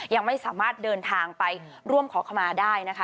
ยังไม่สามารถเดินทางไปร่วมขอขมาได้นะคะ